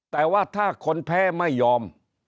แต่ว่าถ้าคนแพ้ไม่ยอม